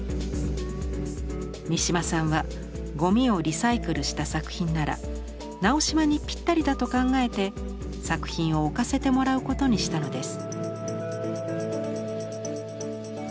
三島さんはゴミをリサイクルした作品なら直島にぴったりだと考えて作品を置かせてもらうことにしたのです。